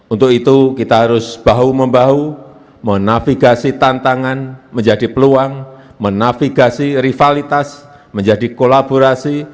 untuk itu kita harus bahu membahu menafigasi tantangan menjadi peluang menafigasi rivalitas menjadi kolaborasi